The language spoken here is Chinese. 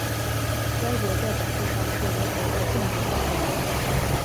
该国在本质上是俄国的共主邦联。